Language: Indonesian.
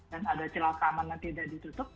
dan ada celaka aman yang tidak ditutup